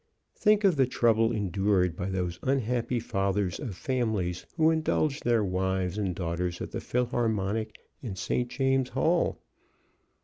Think of the trouble endured by those unhappy fathers of families who indulge their wives and daughters at the Philharmonic and St. James's Hall!